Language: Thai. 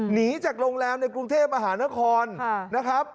หนีจากโรงแรมในกรุงเทพฯอาหารคอน